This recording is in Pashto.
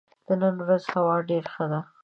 د نن ورځ هوا ډېره ښه ده.